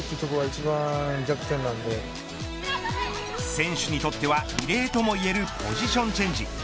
選手にとっては異例ともいえるポジションチェンジ。